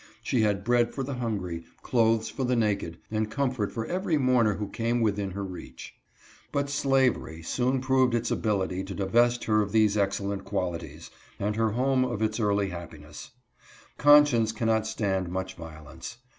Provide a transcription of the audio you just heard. She had bread for the hungry, clothes for the naked, and comfort for every mourner who came within her reach. But slavery soon proved its ability to divest her of these excellent qualities, and her home of its early happi ness. Conscience cannot stand much violence.